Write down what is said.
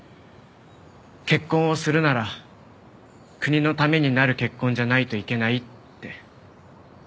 結婚をするなら国のためになる結婚じゃないといけないって。